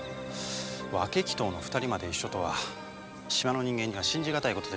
分鬼頭の２人まで一緒とは島の人間には信じ難い事でしょうなあ。